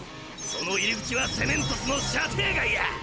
その入り口はセメントスの射程外や！